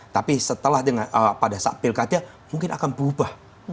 tapi setelah pada saat pilkada mungkin akan berubah